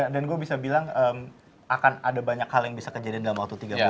dan gue bisa bilang akan ada banyak hal yang bisa kejadian dalam waktu tiga bulan